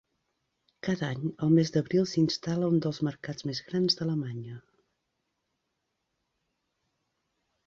Cada any, el mes d'abril, s'instal·la un dels mercats més grans d'Alemanya.